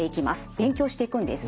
勉強していくんですね。